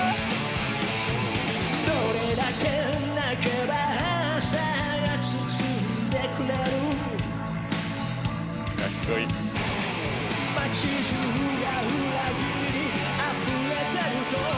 「どれだけ泣けば朝が包んでくれる」「街中が裏切りにあふれてると」